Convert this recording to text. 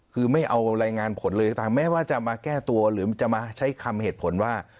คือไม่เอารายงานผลเลยก็ตามแม้ว่าจะมาแก้ตัวหรือจะมาใช้คำเหตุผลว่า